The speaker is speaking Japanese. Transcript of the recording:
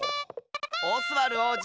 オスワルおうじ！